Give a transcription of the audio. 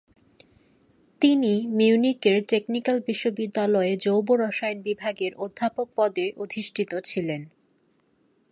তিনি মিউনিখের টেকনিক্যাল বিশ্ববিদ্যালয়ে জৈব রসায়ন বিভাগের অধ্যাপক পদে অধিষ্ঠিত ছিলেন।